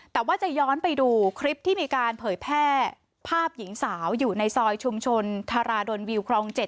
แต่ว่าจะย้อนไปดูคลิปที่มีการเผยแพร่ภาพหญิงสาวอยู่ในซอยชุมชนธาราดลวิวครอง๗